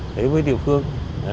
để với địa phương